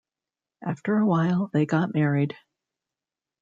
After a while, they got married.